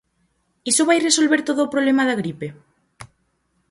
¿Iso vai resolver todo o problema da gripe?